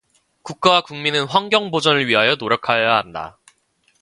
국가와 국민은 환경보전을 위하여 노력하여야 한다.